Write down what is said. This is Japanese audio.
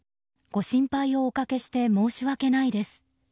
ご心配をおかけして申し訳ないです